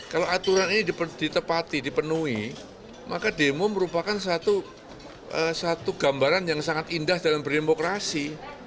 kalau aturan ini ditepati dipenuhi maka demo merupakan satu gambaran yang sangat indah dalam berdemokrasi